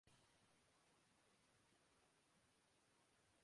سعودی عرب کی gold market میں اتوار کو سونے کے نرخوں میں استحکام آیا ہے